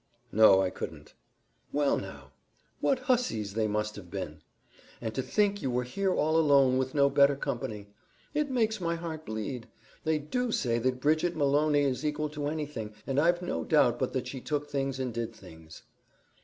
"No, I couldn't." "Well now; what hussies they must have been! And to think you were here all alone, with no better company! It makes my heart bleed. They DO say that Bridget Malony is equal to anything, and I've no doubt but that she took things and did things."